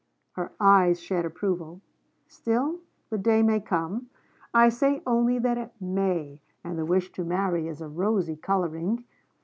Her eyes shed approval. 'Still the day may come... I say only that it may: and the wish to marry is a rosy colouring...